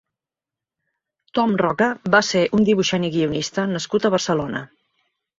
Tom Roca va ser un dibuixant i guionista nascut a Barcelona.